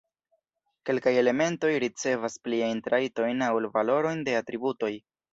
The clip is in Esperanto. Kelkaj elementoj ricevas pliajn trajtojn aŭ valorojn de atributoj.